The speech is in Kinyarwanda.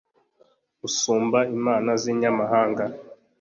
usumba imana z'inyamahanga